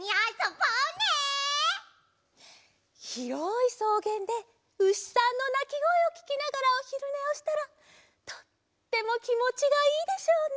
ひろいそうげんでうしさんのなきごえをききながらおひるねをしたらとってもきもちがいいでしょうね。